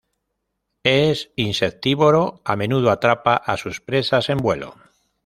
Es insectívoro, a menudo atrapa a sus presas en vuelo.